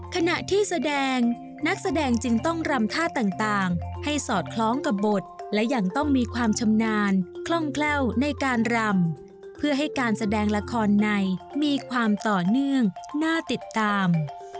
ขณะที่แสดงนักแสดงจึงต้องรำท่าต่างให้สอดคล้องกับบทและยังต้องมีความชำนาญคล่องแคล่วในการรำเพื่อให้การแสดงละครในมีความต่อเนื่องน่าติดตาม